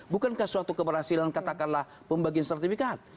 bukankah suatu keberhasilan katakanlah pembagian sertifikat